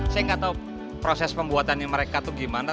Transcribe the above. saya nggak tahu proses pembuatan mereka itu gimana